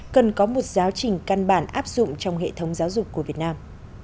cần có một giáo trình căn bản áp dụng trong hệ thống giáo dục của việt nam